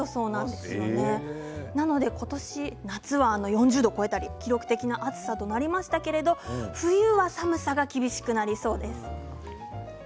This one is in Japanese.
ですので、今年、夏は４０度を超えたり記録的な暑さとなりましたけれど冬は寒さが厳しくなりそうです。